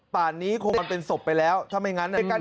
ป่านนี้คงมันเป็นศพไปแล้วถ้าไม่งั้น